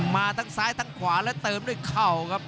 มาทั้งซ้ายทั้งขวาและเติมด้วยเข่าครับ